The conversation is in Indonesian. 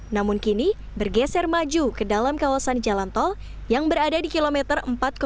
namun kini bergeser maju ke dalam kawasan jalan tol yang berada di kilometer empat